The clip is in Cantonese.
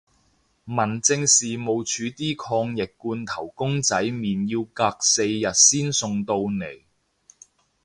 民政事務署啲抗疫罐頭公仔麵要隔四日先送到嚟